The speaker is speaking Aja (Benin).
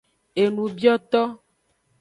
Enubioto.